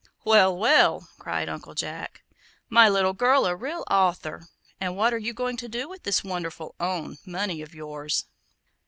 "Well, well," cried Uncle Jack, "my little girl a real author! And what are you going to do with this wonderful 'own' money of yours?"